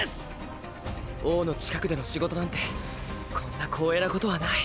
王の近くでの仕事なんてこんな光栄なことはない。